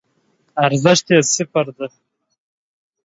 ارزښت یی صفر دی